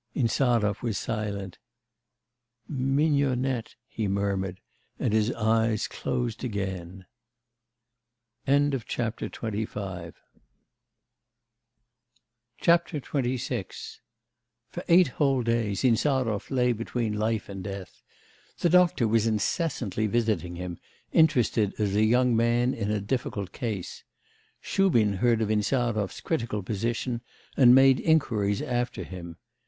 Insarov was silent. 'Mignonette,' he murmured, and his eyes closed again. XXVI For eight whole days Insarov lay between life and death. The doctor was incessantly visiting him, interested as a young man in a difficult case. Shubin heard of Insarov's critical position, and made inquiries after him.